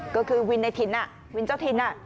ก็คือวินในถิ่นวินเจ้าถิ่น